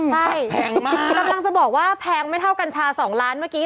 ใช่แพงมากกำลังจะบอกว่าแพงไม่เท่ากัญชา๒ล้านเมื่อกี้